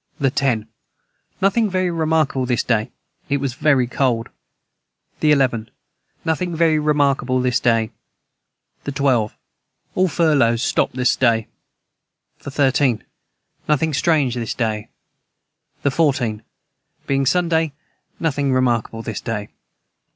the 10. Nothing very remarkable this day it was very cold. the 11. Nothing very remarkable this day. the 12. All furlows stopt this day. the 13. Nothing strange this day. the 14. Being Sunday nothing remarkable this day.